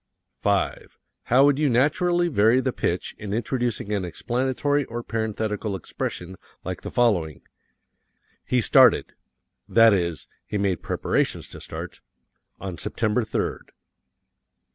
5. How would you naturally vary the pitch in introducing an explanatory or parenthetical expression like the following: He started that is, he made preparations to start on September third.